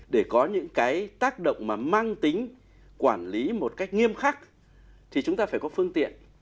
để có những cái tác động mà mang tính quản lý một cách nghiêm khắc thì chúng ta phải có phương tiện